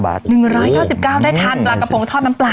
๑๙๙ได้ทานปลากระพงทอดน้ำปลา